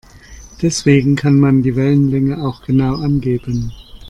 Deswegen kann man die Wellenlänge auch genau angeben.